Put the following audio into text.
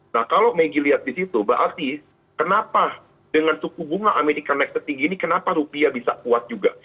nah kalau maggie lihat di situ berarti kenapa dengan suku bunga amerika naik setinggi ini kenapa rupiah bisa kuat juga